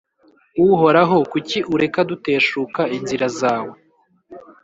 uhoraho, kuki ureka duteshuka inzira zawe,